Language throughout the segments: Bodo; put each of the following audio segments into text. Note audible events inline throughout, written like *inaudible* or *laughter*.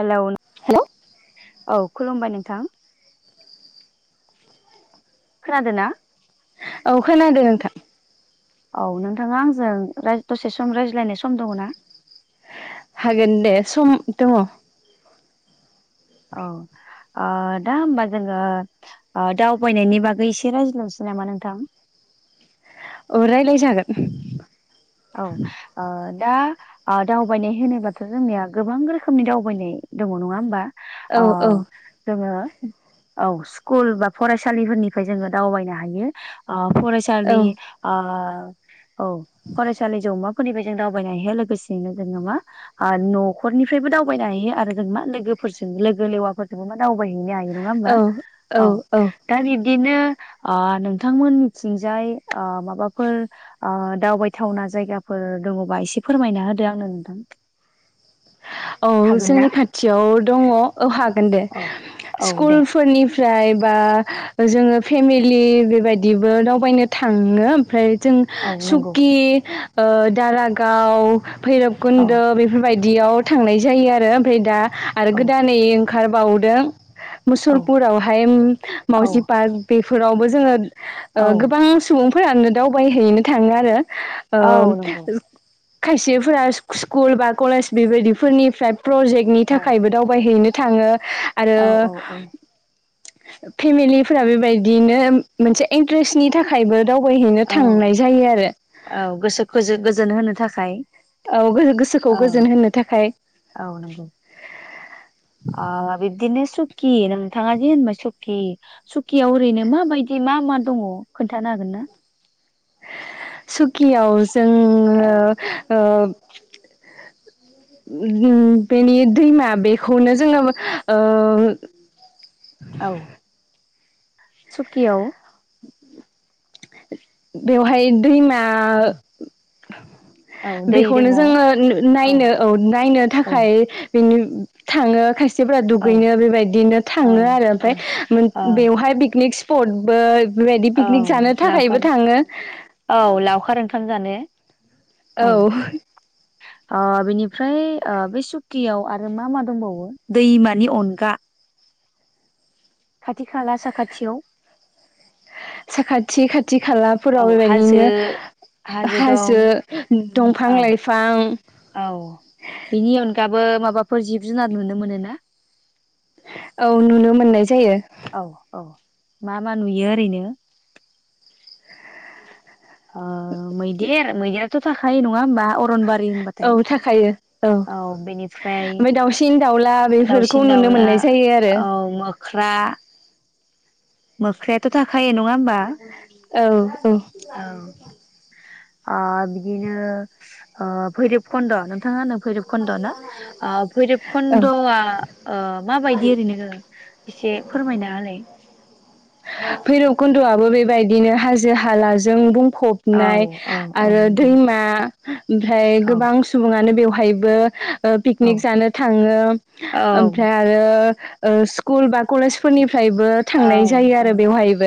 हेलौ हेलौ औ खुलुमबाय नों थां खोनादो ना? औ खोनादों नोंथां औ नोंथाङा आंजों दसे सम रायज्लायनाय सम दङ ना? हागोन दे सम दङ औ दा होमबा जोनङो दावबायनायनि बागै एसे रायज्लांनोसै नामा नोंथां? अ रायलाय जागोन औ ओ दा दावबायनाय होनोबाथ' जोंनिया गोबां रोखोमनि दावबायनाय दङ नङा होमबा औ अ औ जोंङो औ स्कुल बा फरायसालिफोरनिफ्राय जोङो दावबायनो हायो ओ औ फरायसालि ओ औ फरायसाालि जौमा स्कुलनिफ्राय जों दावबायनायहो लोगोसेयैनो जोङो मा ओ न'खरनिफ्रायबो दावबायनो हायो आरो जों मा लोगोफोरजों लोगो लेवाफोरजोंबो मा दाव दबायनो हायो नङा ओमबा औ औ दा बिबदिनो अ नोंथांमोननिथिंजाय अ माबाफोर अ दावबाय थावना जायगाफोर दङ बा एसे फोरमायना होदो आंनो नोंथां औ हागोन ना जोंनि खाथियाव दङ औ हागोन दे औ औ दे स्कुलफोरनि फ्राय बा जोङो फेमिलि बेबायदिबो दावबायनो थाङो ओमफ्राय जों औ नंगौ सुकि ओ दारागाव औ भैरबखुन्द' बेफोरबायदि बिदियाव थांनाय जायो आरो ओमफ्राय दा आरो औ गोदानै ओंखारबावदों औ मुसलपुरावहाय ओम औ मावजि पार्क बे फोरावबो जोङो ओ औ गोबां सुबुं फोरानो दावबायहैैनो थाङो आरो औ नंगौ ओ खायसेफोरा सु-स्कुल बा कलेज बेबायदिफोरनिफ्राय प्रजेक्टनि औ थाखायबो दावबायहैनो थाङो आरो औ औ औ फेमिलिफोरा बेबायदिनो मोनसे इन्ट्रेस्टनि थाखायबो दावबायहैनो औ थांनाय जायो आरो खाय औ गो-गोसोखौ गोजोन होनो थाखाय- अ बिब्दिनो सुकि नोंथाङा दि होनबाय सुकि सुकियाव ओरैनो माबायदि मा मा दङ खोन्थानो हागोन ना? सुखि आव जोङो औ ओ ओ बेनि दैमा बेखौनो जोङो ओ औ। सुकियाव बेवहाय दैमा औ दै बेखौनो दङ औ जोङो नायनो औ नायनो औ थाखाय बिनि थाङो जेब्ला औ दुगैनो बेबायदिनो औ थाङो आरो ओमफाय औ बेवहाय पिकनिक फटबो बेबायदि पिकनिक जानो औ थाखायबो लावखार थाङो औ लावखार ओंखाम जानो औ। ओ बेनिफ्राय ओ बे सुकियाव आरो मा मा दंबावो दैमानि अनगा। खाथि खाला साखाथियाव साखाथि खाथि खाथि औ खालाफोराव हाजो बेबायदिनो हाजो दंफां औ लाइफां औ बेनि अनगाबो माबाफोर जिब जुनार नुनो मोनोना? औ नुनो मोननाय जायो। औ औ मा मा नुयो ओरैनो? ओ मैदेर मैदेर थ थाखाय नङा होमबा अरनबारि औ होनबाथाय थाखायो औ ओमफाय दाउसिन दाउला बेफोरखौ नुनो मोननाय जायो आरो। ख्रा। मोख्रायाथ' थाखा औ औ। औ ओ बिदिनो ओ भैरिब खन्द' नोंथाङा भैरब खन्द ना भैरब औ खन्दआ ओ माबायदि ओरैनो। एसे फोरमायना होलाय। भैरबखन्द'आबो बेबायदिनो हाजो हालाजों बुं औ फबनाय औ औ आरो नंगौ दैमा *unintelligible* ओमफ्राय औ गोबां सुबुङानो बेवहाय बहायबो ओ औ पिकनिक जानो थाङो ओमफ्राय आरो। ओ स्कुल बा कलेजफोरनि फ्रायबो औ थांनाय जायो औ आरो- बेवहायबो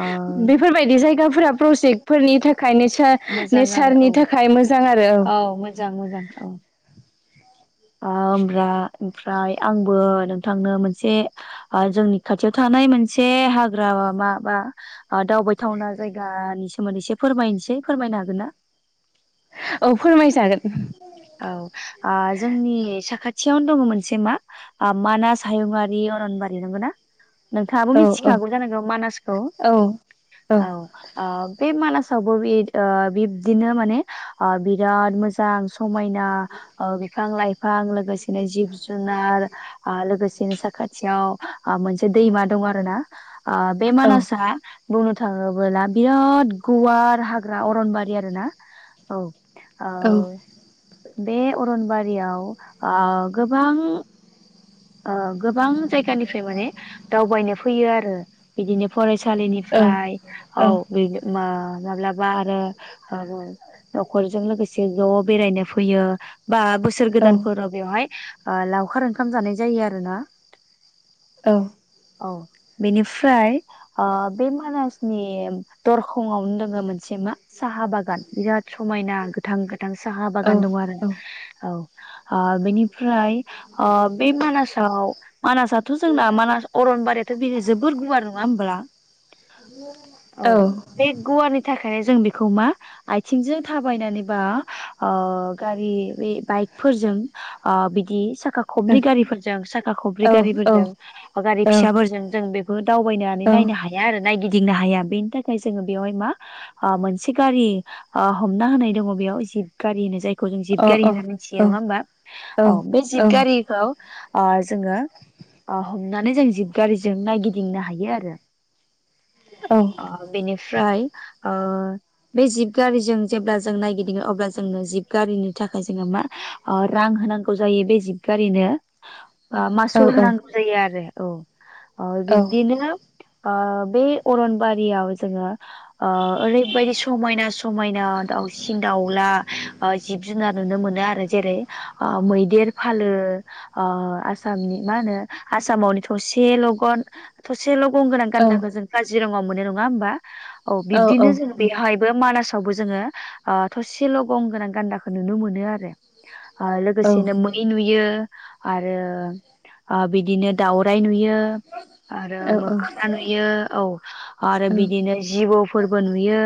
ओ बेफोरबायदि जायगा फोर प्रजेक्टफोरनि थाखाय ने मोजां आरो नेचारनि औ थाखाय मोजां आरो औ हब्रा ओमफ्राय आंबो नोंथांनो मोनसे जोंनि खाथियाव थानाय मोनसे हाग्रा म मा बा दावबायथावना जायगानि सोमोन्दै एसे फोरमायनोसै फोरमायनो हागोन ना? औ फोरमायजागोन- औ जोंनि साखाथियावनो दङ मोनसे मा मानास हायुंङारि अरनबारि नंगौ ना नोंथाङाबो औ मिथिखागौ जानांगौ मानासखौ औ औ बे मानास *unintelligible* अ बिब्दिनो माने आं सियाल मोजां समायना बिफां लाइफां लोगोसेनो जिब जुनार लोगोसेनो साखाथियाव मोनसे दैमा दं आरो ना। आ बे औ मानसा बुंनो थाङोबला बिराद गुवार हाग्रा अरनबारि आरो ना औ औ औ बे अरनबारियाव गोबां गोबां जायगानिफ्राय माने दावबायनो फैयो आरो बिदिनो फरायसा औ सालिनिफ्राय औ बे मा माब्लाबा आरो नखरजों लोगोसे जब बेरायनो फैयो बा बोसोर गोदानफोराव बेवहाय- लावखार ओंखाम जानाय जायो आरो ना। औ औ बेनिफ्राय बे मानासनि दरखंआवनो दङो मोनसे मा- साहा बागान बिराद समायना। गोथां गोथां साहा औ बागान दङ आरो औ ह बेनिफ्रायाइ- अ बे मानासाव मानासआथ' जोंना मानास अरनबारियाथ' बे जोबोर गुवार नङा होमब्ला औ बे गुवारानि थाखाय- ओंखायनो जों बेखौ मा आथिंजों थाबायनानैबा ओ गारि बे बाइकफोरजों आ बिदि साखा औ खबै गारिफोरजों साखा खब्रै औ खोनादों गारिफोरजों गारि फिसाफोरजों जों बे- दावबायनानै नायनो हाया आरो नायगिदिं गिदिंनो हाया बेनि थाखाय जोङो बेवहाय मा मोनसे गारि हमना होनाय दङ बेयाव जि *unintelligible* गनो जाय खौ जों जिबगारि होनना मिथियो नङा होमबा औ बे जिबगारिखौ अ जोङो अ हमनानै जों जिबगारिजों नायगिदिंनो हायो आरो आं बेनिफ्राय ओ बे जिब गारिजों जेब्ला जों नायगिदिङो अब्ला जोंओ जिबगारिनि थाखाय जोङो मा रां होनांगौ जायो बे जिबगारिनो ओ मासुल होनांगौ जायो आरो आ बिद्बिनो ओ बे अरनबारियाव जोङो ओ ओरैबायदि समायना समायना दाउसिन दाउला जिब जुनार नुनो मोनो आरो जेरै मैदेर फालो आसामनि मा होनो आसामावनो थसे लगन थसे ल' गोनां गाननांगौ जों जिरङाव मोन नङा होनोमबा औ बिब्दिनो जों बेवहायबो मानास जेरावबो जोंङो आ थसेल गं गोनां गान्दाखौ नुनो मोनो आरो आरो लोगोसेनो मै नुयो आरो बिदिनो दाउ राइ नुयो आरो मोख्रा नुयो औ आरो बिदिनो जिबौ फोरबो नुयो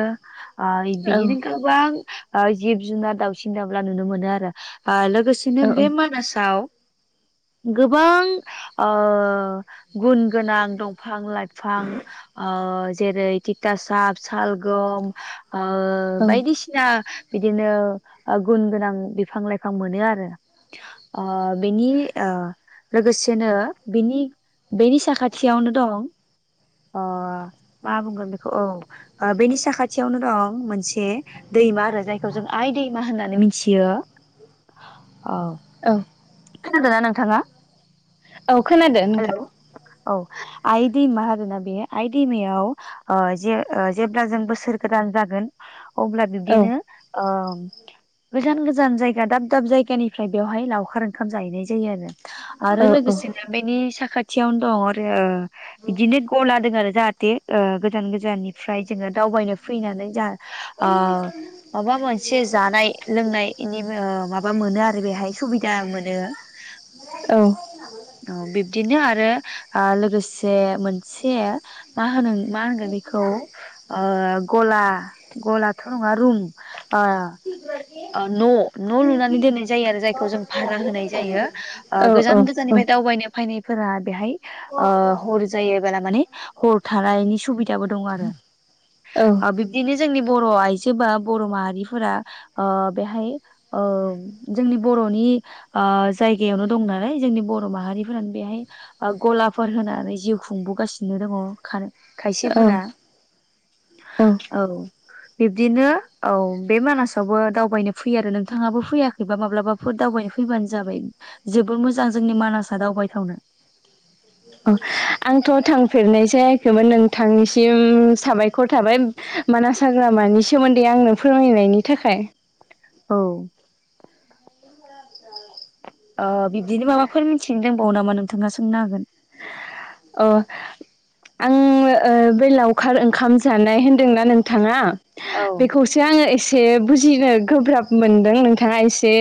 बिदिनो गोबां आ जिब जुनार दाउसिन दांब्ला नुनो मोनो आरो ओ लोगोसेनो बे मानासाव गोबां ओ गुन गोनां दंफां लाइफां जेरै तिताासाब सालगम ओ बायदिसिना बिदिनो गुन गोनां बिफां लाइफां मोनो आरो बेनि लोगोसेनो बिनि बेनि साखाथियावनो दं मा बुंगोन बेखौ औ बेनि साखाथियावनो दं मोनसे दैमा आरो जाय जों आइ दैमा होननानै मिथियो। औ खोनादोंना नोंथांआ नोंथाङा नोंथां हेलौ औ। आइ दैमा आरोोना बे आइ दैमायाव जे जेब्ला जों बोसोर गोदान जागोन अब्ला औ बिब्दिनो गोजान गोजान जायगा दाब दाब जायगानिफ्राय बेवहाय लावखार ओंखाम जाहैनाय जायो आरो औ आरो औ औ लोगोसेनो बेनि साखाथि थियाव दं अरो ओ बिदिनो गला दों आरो जाहाथ थे ओ गोजान गोजाननिफ्राय जोङो दावबायनो फैनानै जाहा *inaudible* बा मोनसे जानाय लोंनायनि ओ माबा मोनो आरो बेहाय सुबिदा मोनो। बिब्दिनो आरो ओ लोगोसे मोनसे मा होनो मा होनगोन बेखौ ओ गला गलाथ' *unintelligible* ओ न' न' लुनानै दोननाय जायो आरो जायखौ जों भारा होनाय जायो ओ गोजान गोजाननिफ्राय दावबायनो फैनाय फोरा बेहाय ओ हर जायोबोला माने हर थानायनि सुबिदाबो दं आरो ओ बिब्दिनो जोंनि बर र' आयजोबा बर' माहारिफोरा ओ बेहाय ओ जोंनि बर'नि आ जायगायावनो दं नालाय जोंनि बर' माहारिफोरानो बेहाय आ गलाफोर होनानै जिउ खुंबोगासिनो दङ खार खायसेफोरा औ औ बिब्दिनो औ बे मानासावबो दावबायनो फैयो आरो नोंथाङाबो फैयाखैबा माब्लाबाफोर दावबायनो फैबानो जाबाय जबोर मोजां जोंनि मानासआ दावबायथावनो। अ आंथ' थांफेरनाय जायाखैमोन नोंथांनिसिम साबायखर थाबाय मानास हाग्रामानि सोमोन्दै आंनो फोरमायनायनि थाखाय। औ ओ बिब्दिनो माबाफोर मिथिनो दंबावो नामा नोंथाङा सोंनो हागोन। अ आं ओ बे लावखार ओंखाम जानाय होनदोंना नोंथाङा औ बेखौसो आङो एस से बुजिनो गोब्राब मोनदों नोंथाङा एसे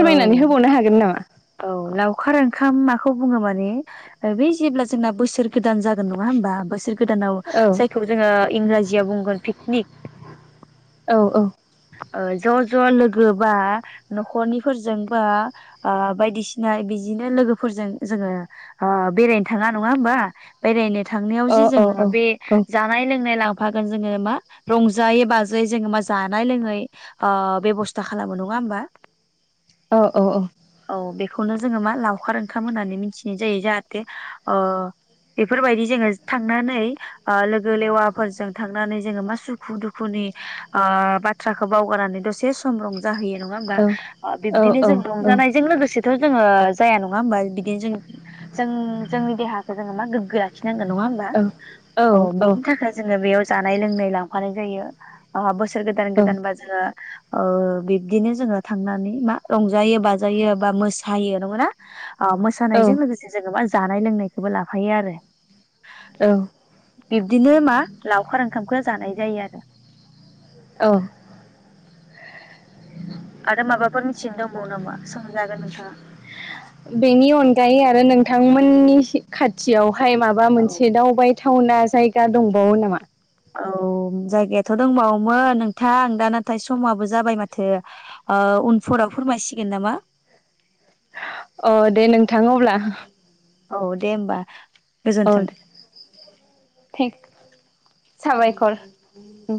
औ होबावनो हागोन नामा? औ लावखार ओंखाम मा खौ बुङो माने बे जेब्ला जोंना बोसोर गोदान जागोन नङा होमब बोसोर गोदानाव औ जायखौ जोङो इंराजियाव बुंगोन पिकनिक औ ओ ज' ज' लोगो बा न'खरनिफोरजों बा आ बायदिसिना बिदिनो लोगोफोरजों जोङो बेरायनो थाङा नङा होमबा बेरायनो थांनायाव औ जि जों औ बे औ जानाय लोंनाय लां फागोन जोङो मा रंजायै बाजायै जों मा जा नाय लोंङै ओ बेब'स्था खालामो। नङा होनबा? औ औ औ खौनो जोङो मा लावखार ओंखाम होननानै मिथिनाय जायो जाहाथे ओ बेफोरबायदि जोङो थांनानै ओ लोगो लेवाफोरजों थांनानै जोङो मा सुखु दुखुनि ओ बाथ्राखौ बावगारनानै दसे सम रं जाहोयो नङा होमबा ओ बिब्दिनो जों रंजानायजों लोगोसेथ' जोङो जाया नङा हबा बिदिनो जों जों जोंनि देहाखौ जोङो मा गोग्गो लाखि नांगोन नंङा होनबा औ बिनि थाखाय जों बियाव जानाय लोंनाय लांफानाय जायो बोसोर दान गोदान बा जो ओ बिदिनो जोङो थांनानै मा रंजायो बाजायो बा मोसायो नङोना ओ औ मोसानायजों लोगोसे जोङो मान जानाय लोंनायखौबो लाफायो आरो औ बिब्दिनो मा लावखार ओंखामखौ जानाय जायो आरो औ आरो माबाफोर मिथिनो दंबावो नामा? सोंजागोन नोंथाङा बेनि अनगायै आरो नों थांमोननि खाथियाव फाय माबा औ मोनसे दावबाय टावउना जायगा दंबावो नामा औ जायगायाथ' दंबावोमोन नोंथां आं दा नाथाय समाबो जाबाय माथो ओ उनफोराव फोरमायसिगोन नामा। अ दे नोंथां अब्ला औ दे होमबा ओ गोजोन्थों दे थें साबायखर नोंथां